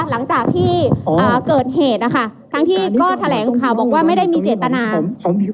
หลังจากที่เกิดเหตุนะคะทั้งที่ก็แถลงข่าวบอกว่าไม่ได้มีเจตนา